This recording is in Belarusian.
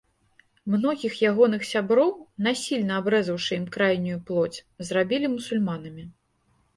Многіх ягоных сяброў, насільна абрэзаўшы ім крайнюю плоць, зрабілі мусульманамі.